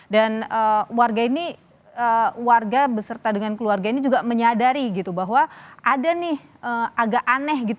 dan warga ini warga beserta dengan keluarga ini juga menyadari gitu bahwa ada nih agak aneh gitu